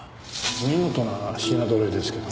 見事な品ぞろえですけども。